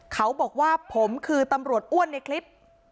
เขาบอกว่าผมคือตำรวจอ้วนในคลิป